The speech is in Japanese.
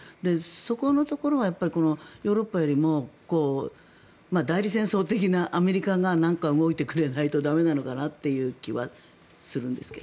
そこのところはヨーロッパよりも、代理戦争的なアメリカがなんか動いてくれないと駄目なのかなという気はするんですが。